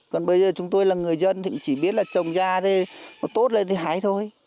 còn bây giờ chúng tôi là người dân thì chỉ biết là trồng da thôi tốt lên thì hái thôi